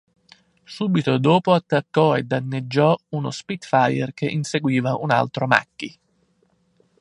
Subito dopo attaccò e danneggiò uno Spitfire che inseguiva un altro Macchi.